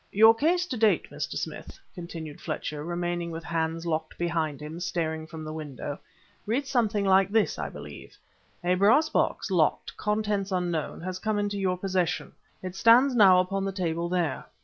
"Your case to date, Mr. Smith," continued Fletcher, remaining with hands locked behind him, staring from the window, "reads something like this, I believe: A brass box, locked, contents unknown, has come into your possession. It stands now upon the table there.